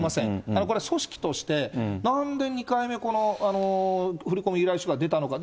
だからこれは組織として、なんで２回目、この振込依頼書が出たのか。